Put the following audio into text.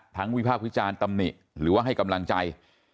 ทั้งวิภาพวิจารณ์ตำนิหรือว่าให้กำลังใจ